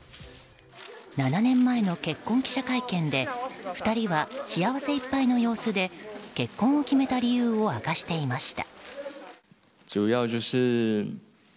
７年前の結婚記者会見で２人は幸せいっぱいの様子で結婚を決めた理由を明かしていました。